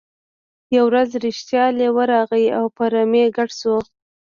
یوه ورځ رښتیا لیوه راغی او په رمې ګډ شو.